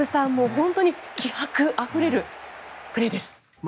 本当に気迫あふれるプレーです。